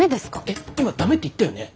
えっ今ダメって言ったよね？